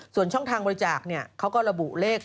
ส่วนช่องทางบริจาคเขาก็ระบุเลข